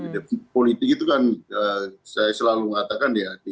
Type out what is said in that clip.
di politik itu kan saya selalu mengatakan ya